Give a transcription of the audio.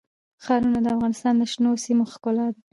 ښارونه د افغانستان د شنو سیمو ښکلا ده.